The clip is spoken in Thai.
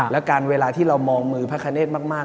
แล้วการเวลาที่เรามองมือพระคเนธมาก